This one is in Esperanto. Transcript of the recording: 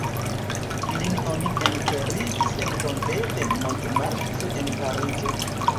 Lin oni enterigis en la tombejo de Montmartre en Parizo.